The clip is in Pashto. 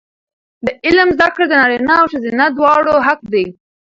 د علم زده کړه د نارینه او ښځینه دواړو حق دی.